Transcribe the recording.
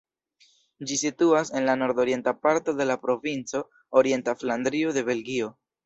Ĝi situas en la nordorienta parto de la provinco Orienta Flandrio de Belgio.